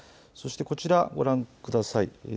そしてこちら、ご覧ください。